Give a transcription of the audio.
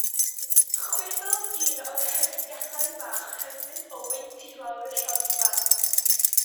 Chwythodd un o'r hyrddiadau bach hyfryd o wynt i lawr y rhodfa.